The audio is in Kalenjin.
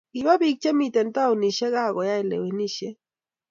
Kipa pik che kimten tonishek gaa ko yai lewenishet